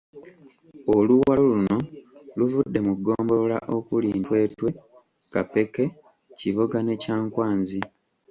Oluwalo luno luvudde mu ggombolola okuli; Ntwetwe, Kapeke, Kiboga ne Kyankwanzi.